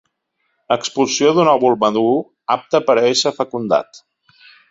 Expulsió d'un òvul madur, apte per a ésser fecundat.